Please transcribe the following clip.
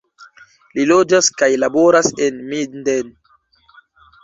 Li loĝas kaj laboras en Minden.